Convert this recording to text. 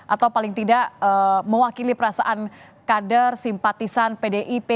atau paling tidak mewakili perasaan kader simpatisan pdip